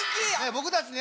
僕たちね